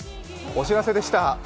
お知らせでした。